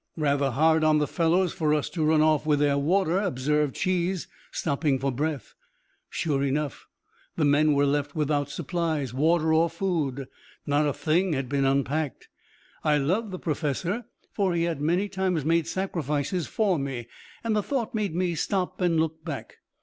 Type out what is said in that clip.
"Rather hard on the fellows for us to run off with their water," observed Cheese, stopping for breath. Sure enough, the men were left without supplies, water or food. Not a thing had been unpacked. I loved the Professor, for he had many times made sacrifices for me, and the thought made me stop and look back.